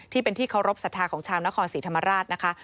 ที่เป็นที่เคารพสัทธาของชาวนครศรีธรรมราชนะคะ